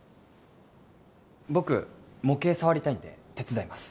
僕模型触りたいんで手伝います